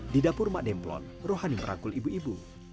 di dapur mak demplon rohani merangkul ibu ibu